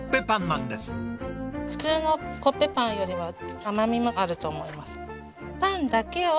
普通のコッペパンよりは甘みもあると思います。